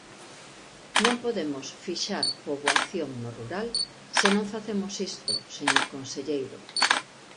Non podemos fixar poboación no rural se non facemos isto, señor conselleiro.